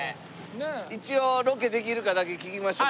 一応ロケできるかだけ聞きましょうか。